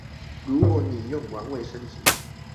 如果你用完衛生紙